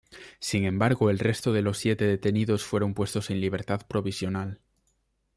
Sin embargo el resto de los siete detenidos fueron puestos en libertad provisional.